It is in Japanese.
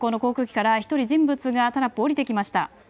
広島空港の航空機から１人、人物がタラップを降りてきました。